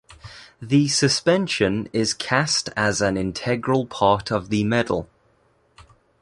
The suspension is cast as an integral part of the medal.